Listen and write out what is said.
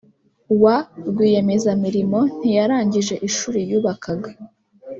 wa rwiyemezamirimo ntiyarangije ishuri yubakaga